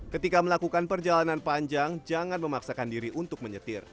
ketika melakukan perjalanan panjang jangan memaksakan diri untuk menyetir